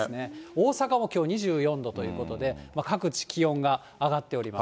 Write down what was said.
大阪もきょう２４度ということで、各地気温が上がっております。